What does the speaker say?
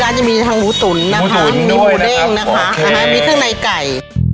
ร้านจะมีทั้งหมูตุ๋นนะคะมีหมูเด้งนะคะมีขึ้นในไก่